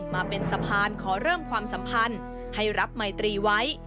มาเป็นสะพานขอเริ่มความสัมพันธ์ให้รับไมตรีไว้